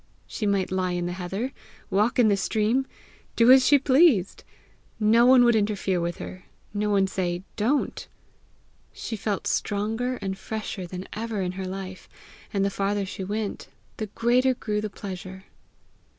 She might lie in the heather, walk in the stream, do as she pleased! No one would interfere with her, no one say Don't! She felt stronger and fresher than ever in her life; and the farther she went, the greater grew the pleasure.